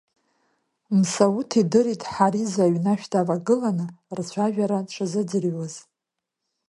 Мсауҭ идырит Ҳариза аҩнашә давагыланы рцәажәара дшазыӡырҩуаз.